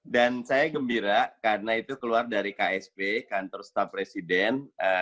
saya gembira karena itu keluar dari ksp kantor staf presiden